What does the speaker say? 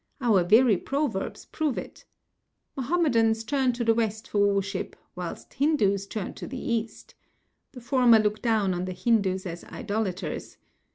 Our very proverbs prove it. Mahomedans turn to the West for worship whilst Hindus turn to the East. The former look down on the Hindus as idolators.